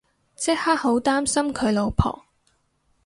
即刻好擔心佢老婆